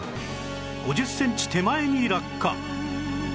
５０センチ手前に落下